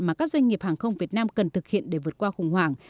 mà các doanh nghiệp hàng không việt nam cần thực hiện để vượt qua khủng hoảng